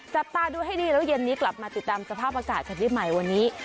จับตาดูให้ดีแล้วเย็นนี้กลับมาติดตามสภาพอากาศกันได้ใหม่วันนี้